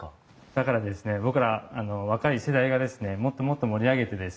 だから僕ら若い世代がもっともっと盛り上げてですね